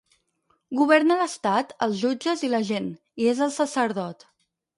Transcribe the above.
Governa l'estat, els jutges i la gent, i és el sacerdot.